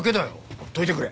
ほっといてくれ！